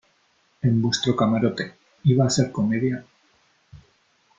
en vuestro camarote . iba a ser comedia ,